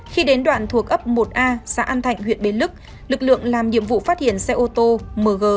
khi đến đoạn thuộc ấp một a xã an thạnh huyện bến lức lực lượng làm nhiệm vụ phát hiện xe ô tô mg một mươi một